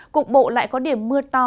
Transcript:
cục bộ lại có điểm mưa to